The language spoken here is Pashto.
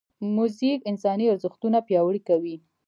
موزیک انساني ارزښتونه پیاوړي کوي.